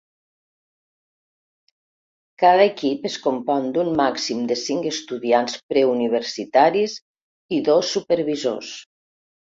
Cada equip es compon d'un màxim de cinc estudiants preuniversitaris i dos supervisors.